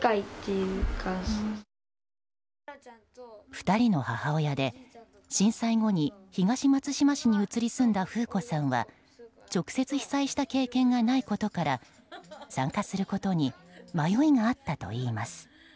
２人の母親で、震災後に東松島市に移り住んだ楓子さんは直接被災した経験がないことから参加することに迷いがあったといいます。